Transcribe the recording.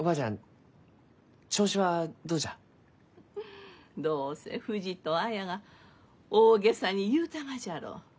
フッどうせふじと綾が大げさに言うたがじゃろう。